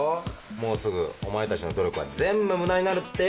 もうすぐお前たちの努力は全部無駄になるってよ。